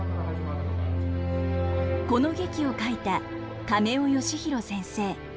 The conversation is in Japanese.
この劇を書いた亀尾佳宏先生。